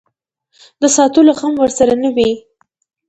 د ساتلو غم ورسره نه وي.